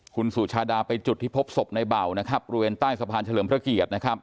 คุณสุชาดาไปจุดที่พบศพในเบานะครับบริเวณใต้สะพานเฉลิมพระเกียรตินะครับ